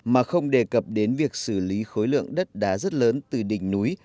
mà không đề cập đến việc xử lý khối lượng đất đá rất lớn từ đỉnh núi